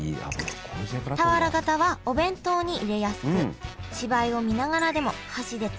俵型はお弁当に入れやすく芝居を見ながらでも箸でつまみやすい。